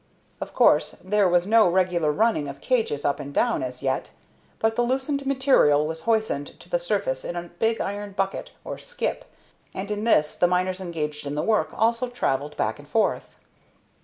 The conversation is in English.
Of course there was no regular running of cages up and down as yet, but the loosened material was hoisted to the surface in a big iron bucket, or "skip," and in this the miners engaged in the work also travelled back and forth.